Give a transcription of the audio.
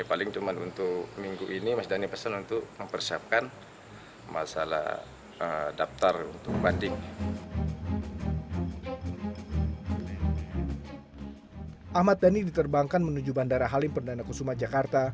ahmad dhani diterbangkan menuju bandara halim perdana kusuma jakarta